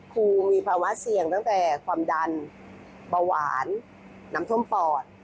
ครูมีภาวะเสี่ยงตั้งแต่ความดันเบาหวานน้ำท่วมปอด